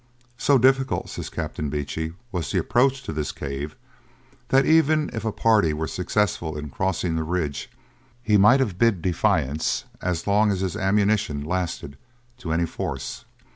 'So difficult,' says Captain Beechey, 'was the approach to this cave, that even if a party were successful in crossing the ridge, he might have bid defiance, as long as his ammunition lasted, to any force.'